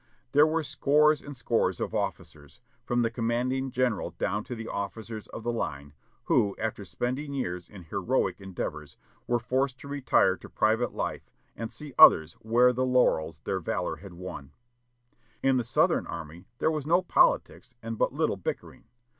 There were scores and scores of officers, from the commanding gen eral down to the officers of the line, who, after spending years in heroic endeavors, were forced to retire to private life and see others wear the laurels their valor had won. In the Southern Army there was no politics and but little bickering.